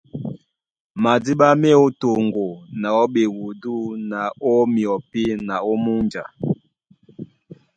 Madíɓá má e ó toŋgo na ó ɓeúdu na ó myɔpí na ó múnja.